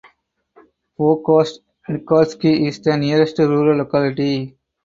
Pogost Nikolsky is the nearest rural locality.